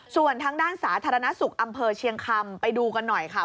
ส่วนทางด้านสาธารณสุขอำเภอเชียงคำไปดูกันหน่อยค่ะ